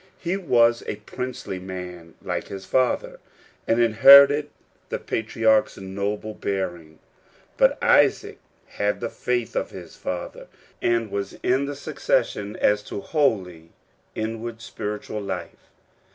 He was a princely man like his father, and inherited the patriarch's noble bearing ; but Isaac had the faith of his father, and was in the succession as to holy inward spiritual life.